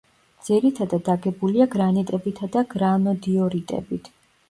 ძირითადად აგებულია გრანიტებითა და გრანოდიორიტებით.